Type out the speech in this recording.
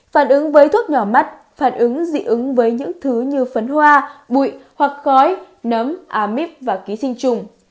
phản ứng với thuốc nhỏ mắt phản ứng dị ứng với những thứ như phấn hoa bụi hoặc khói nấm a mít và ký sinh trùng